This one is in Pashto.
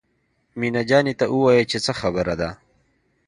مينه جانې ته ووايه چې څه خبره ده.